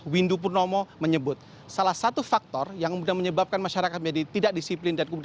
windu purnomo menyebut salah satu faktor yang menyebabkan masyarakat menjadi tidak disiplin